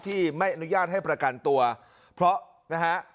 ไม่อนุญาตให้ประกันตัวเพราะนะฮะ